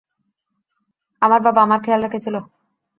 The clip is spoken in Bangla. আমার বাবা আমার খেয়াল রেখেছিল।